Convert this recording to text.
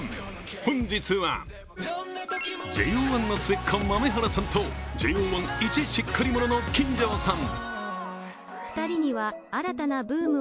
本日は、ＪＯ１の末っ子・豆原さんとＪＯ１イチしっかり者の金城さん。